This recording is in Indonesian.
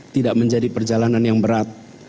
tidak menjadi perjalanan yang berat